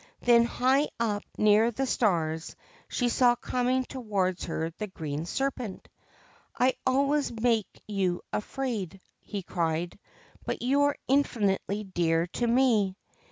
Then, high up near the stars, she saw coming towards her the Green Serpent. ' I always make you afraid,' he cried ;' but you are infinitely dear to me.'